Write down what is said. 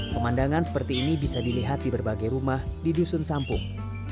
pemandangan seperti ini bisa dilihat di berbagai rumah di dusun sampung